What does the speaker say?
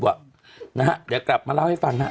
เดี๋ยวกลับมาเล่าให้ฟังฮะ